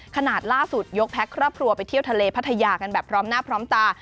ขนาดล่าสุดยกแพ็คครอบครัวไปเที่ยวทะเลพัทยากันแบบพร้อมหน้าพร้อมตา